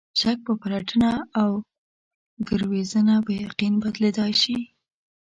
شک په پلټنه او ګروېږنه په یقین بدلېدای شي.